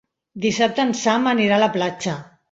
Dissabte en Sam anirà a la platja.